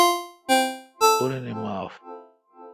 اورنی معاف۔